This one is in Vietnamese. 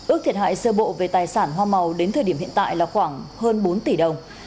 ước thiệt hại sơ bộ về tài sản hoa màu đến thời điểm hiện tại là khoảng hơn bốn tỷ đồng